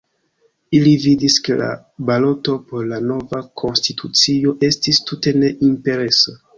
Ili vidis, ke la baloto por la nova konstitucio estis tute ne impresa.